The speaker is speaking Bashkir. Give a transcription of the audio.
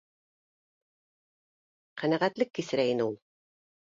Ҡәнәғәтлек кисерә ине ул